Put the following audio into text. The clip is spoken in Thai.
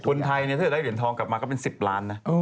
คนไทยถ้าจะได้เหรียญทองกลับมาก็เป็น๑๐ล้านฯ